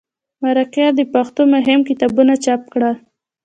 مرکې د پښتو مهم کتابونه چاپ کړل.